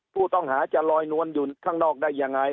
ผู้ต้องหาจะลอยนวลอยู่ข้างนอกได้ยังไง